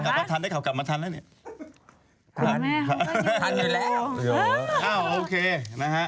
หัวเราะกันเองนะคะได้ข่าวกลับมาทันแล้วเนี่ยทันทันอยู่แล้วเออโอเคนะฮะ